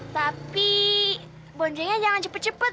tapi boncengnya jangan cepet cepet